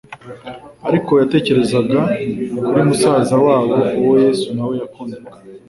ariko yatekerezaga kuri musaza wabo uwo Yesu na we yakundaga.